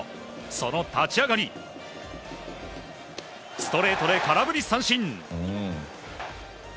その立ち上がりストレートで空振り三振。